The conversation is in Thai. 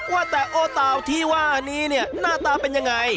ว่าแต่โอเต่าที่ว่านี้เนี่ยหน้าตาเป็นยังไง